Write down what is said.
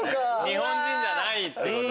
日本人じゃないってこと。